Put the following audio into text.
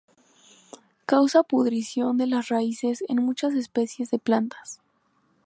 Causa pudrición de las raíces en muchas especies de plantas.